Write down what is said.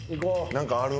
何かある？